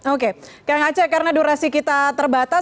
oke kang aceh karena durasi kita terbatas